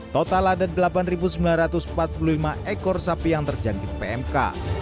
total ada delapan sembilan ratus empat puluh lima ekor sapi yang terjangkit pmk